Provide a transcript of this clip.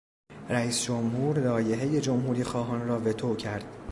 رئیس جمهور لایحهی جمهوری خواهان را وتو کرد.